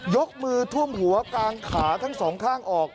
ยกมือท่วมหัวกางขาทั้งสองข้างออก